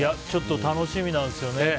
ちょっと楽しみなんですよね。